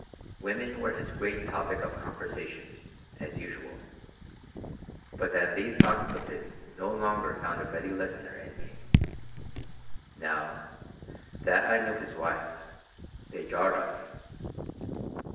Women were his great topic of conversation, as usual. But then these talks of his no longer found a ready listener in me. Now, that I knew his wife, they jarred on me.